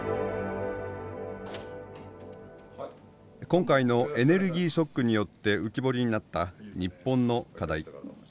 今回のエネルギーショックによって浮き彫りになった日本の課題。